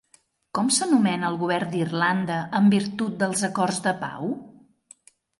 Com s'anomena el govern d'Irlanda en virtut dels acords de pau?